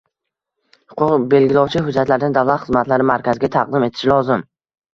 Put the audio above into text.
Huquq belgilovchi hujjatlarni davlat xizmatlari markaziga taqdim etish lozim.